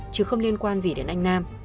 chứ không liên quan gì đến anh nam